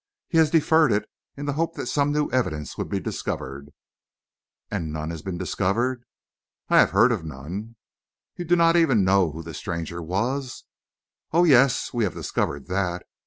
He has deferred it in the hope that some new evidence would be discovered." "And none has been discovered?" "I have heard of none." "You do not even know who this stranger was?" "Oh, yes, we have discovered that.